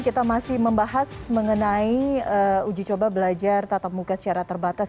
kita masih membahas mengenai uji coba belajar tatap muka secara terbatas